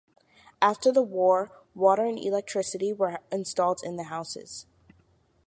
After the war, water and electricity were installed in the houses.